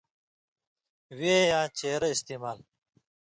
وےیاں چېرہ استعمال